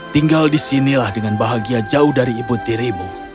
tinggal di sini dengan bahagia jauh dari ibu tirimu